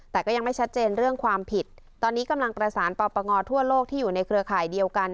แต่ก็ยังไม่ชัดเจนเรื่องความผิดตอนนี้กำลังประสานปปงทั่วโลกที่อยู่ในเครือข่ายเดียวกัน